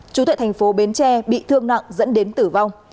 chú tại thành phố bến tre bị thương nặng dẫn đến tử vong